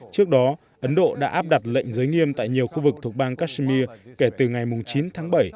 trước đó ấn độ đã áp đặt lệnh giới nghiêm tại nhiều khu vực thuộc bang kashmir kể từ ngày chín tháng bảy